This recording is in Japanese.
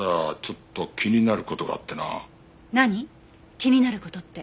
気になる事って。